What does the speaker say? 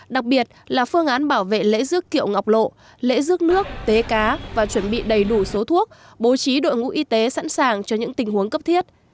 đặc biệt là phương án bảo vệ lễ rước kiệu ngọc lộ lễ rước nước tế cá và chuẩn bị đầy đủ số thuốc bố trí đội ngũ y tế sẵn sàng cho những tình huống cấp thiết